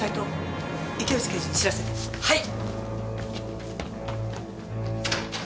はい。